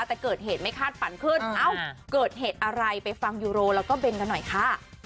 แต่เกิดเหตุไม่คาดฝันขึ้นเอ้าเกิดเหตุอะไรไปฟังยูโรแล้วก็เบนกันหน่อยค่ะ